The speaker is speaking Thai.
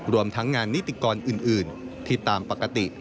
รวมทั้งงานนิติกรอื่นที่ตามปกติ